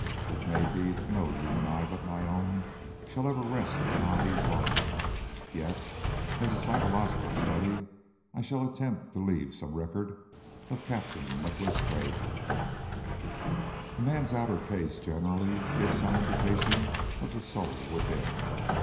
It may be that no human eye but my own shall ever rest upon these lines, yet as a psychological study I shall attempt to leave some record of Captain Nicholas Craigie. A man's outer case generally gives some indication of the soul within.